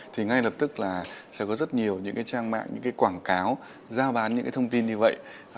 thì ngay lập tức là sẽ có rất nhiều những trang mạng những quảng cáo giao bán những thông tin như vậy